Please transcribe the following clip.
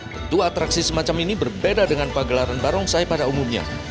tentu atraksi semacam ini berbeda dengan pagelaran barongsai pada umumnya